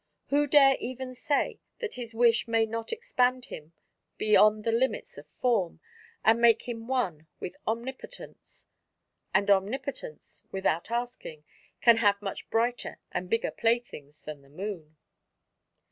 Who dare even say that his wish may not expand him beyond the Limits of Form, and make him one with Omnipotence? And Omnipotence, without asking, can have much brighter and bigger play things than the Moon.